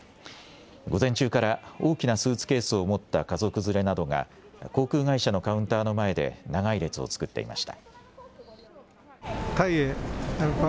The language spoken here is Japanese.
午前中から、大きなスーツケースを持った家族連れなどが、航空会社のカウンターの前で長い列を作っていました。